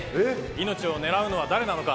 命を狙うのは誰なのか？